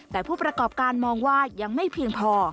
แต่ผู้ประกอบการมองว่ายังไม่เพียงพอ